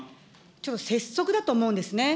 ちょっと拙速だと思うんですね。